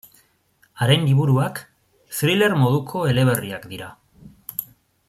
Haren liburuak thriller moduko eleberriak dira.